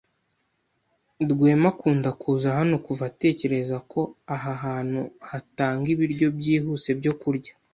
Rwema akunda kuza hano kuva atekereza ko aha hantu hatanga ibiryo byihuse byokurya.